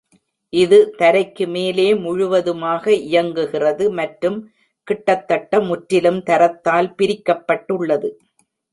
இது தரைக்கு மேலே முழுவதுமாக இயங்குகிறது மற்றும் கிட்டத்தட்ட முற்றிலும் தரத்தால் பிரிக்கப்பட்டுள்ளது.